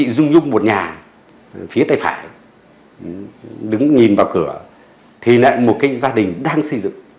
lực lượng khám nghiệm phát hiện một chiếc răng